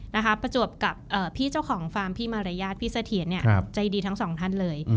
ประจวบกับพี่เจ้าของฟาร์มพี่มารยาทพี่เสถียรเนี่ยใจดีทั้งสองท่านเลย